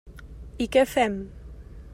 I què fem?